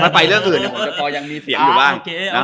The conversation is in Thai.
ไปเรื่องอื่นก็ยังมีเสียงอยู่บ้าง